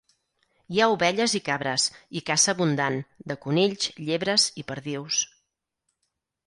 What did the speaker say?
Hi ha ovelles i cabres, i caça abundant, de conills, llebres i perdius.